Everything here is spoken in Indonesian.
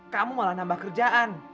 kamu malah nambah kerjaan